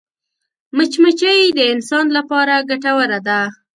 مچمچۍ د انسان لپاره ګټوره ده